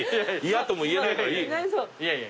嫌とも言えないからいい。